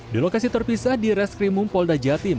di lokasi terpisah di reskrimumpolda jatim